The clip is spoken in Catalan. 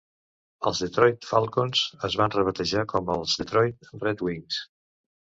Els Detroit Falcons es van rebatejar com els Detroit Red Wings.